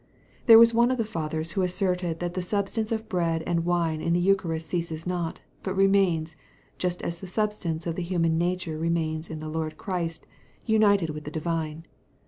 There was one of the fathers who asserted that the substance of bread and wine in the eucharist ceases not, but remains, just as the substance of the human nature remains in the Lord Christ united with the divine.